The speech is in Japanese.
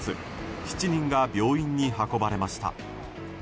７人が病院に運ばれました。